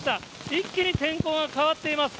一気に天候が変わっています。